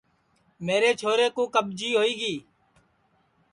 میرے چھورے کُو کٻجی ہوئی گی